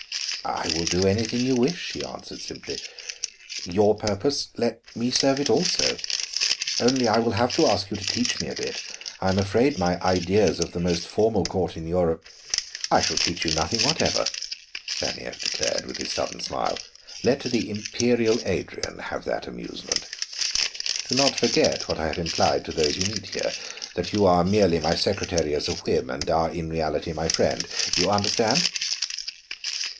"I will do anything you wish," he answered simply. "Your purpose let me serve it also. Only I will have to ask you to teach me a bit; I am afraid my ideas of the most formal court in Europe " "I shall teach you nothing whatever," Stanief declared, with his sudden smile. "Let the imperial Adrian have that amusement. Do not forget what I have implied to those you meet here: that you are merely my secretary as a whim, and are in reality my friend. You understand?"